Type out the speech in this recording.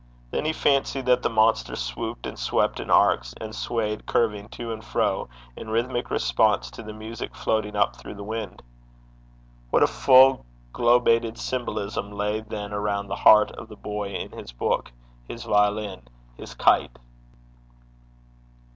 Then he fancied that the monster swooped and swept in arcs, and swayed curving to and fro, in rhythmic response to the music floating up through the wind. What a full globated symbolism lay then around the heart of the boy in his book, his violin, his kite!